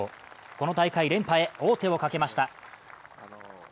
この大会連覇へ王手をかけました。